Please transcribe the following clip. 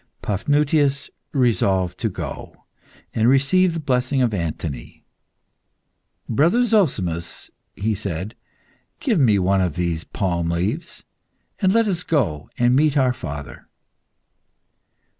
Paphnutius resolved to go and receive the blessing of Anthony. "Brother Zozimus," he said, "give me one of these palm leaves, and let us go and meet our father."